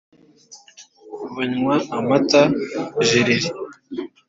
Banywa amata jereri